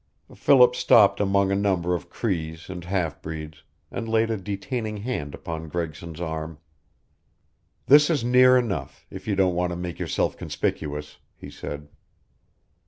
Philip stopped among a number of Crees and half breeds, and laid a detaining hand upon Gregson's arm. "This is near enough, if you don't want to make yourself conspicuous," he said.